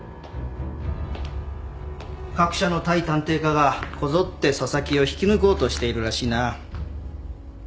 各社の対探偵課がこぞって紗崎を引き抜こうとしているらしいな。